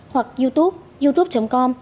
hoặc youtube youtube com